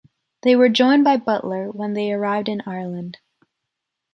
They were joined by Butler when they arrived in Ireland.